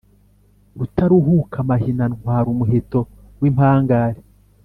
rutaruhuka amahina ntwara umuheto w'impangare,